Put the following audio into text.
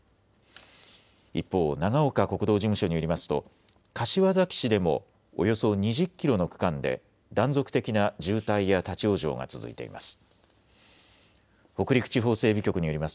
一方、長岡国道事務所によりますと柏崎市でもおよそ２０キロの区間で断続的な渋滞や立往生が続いています。